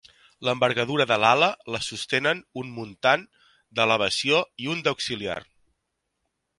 L'envergadura de l'ala la sostenen un muntant d'elevació i un d'auxiliar.